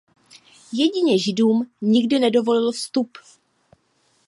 Jedině židům nikdy nedovolil vstup.